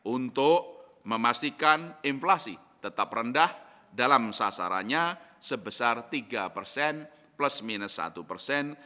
untuk memastikan inflasi tetap rendah dalam sasarannya sebesar tiga persen plus minus satu persen